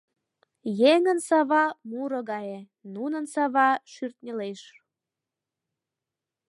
Еҥын сава — муро гае, нунын сава — шӱртньылеш.